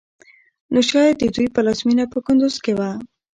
نو شايد د دوی پلازمېنه په کندوز کې وه